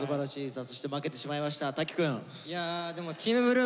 そして負けてしまいました瀧くん。